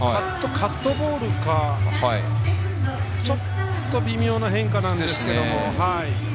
カットボールかちょっと微妙な変化なんですけど。